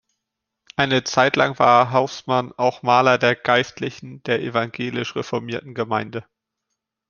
Eine Zeitlang war Haußmann auch Maler der Geistlichen der evangelisch-reformierten Gemeinde.